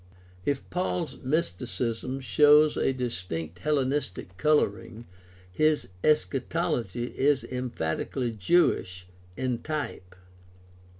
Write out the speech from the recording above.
If Paul's mysticism shows a distinct Hellenistic coloring, his eschatology is emphatically Jewish in type.